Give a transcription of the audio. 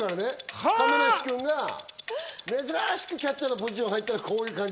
亀梨くんが珍しくキャッチャーのポジションに入ったらこんな感じ。